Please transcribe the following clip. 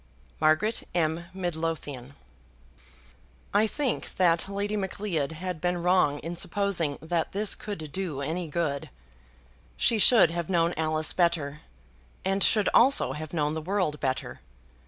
MARGARET M. MIDLOTHIAN. I think that Lady Macleod had been wrong in supposing that this could do any good. She should have known Alice better; and should also have known the world better.